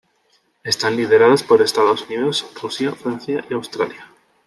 Están liderados por Estados Unidos, Rusia, Francia y Australia.